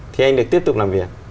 thì anh được tiếp tục làm việc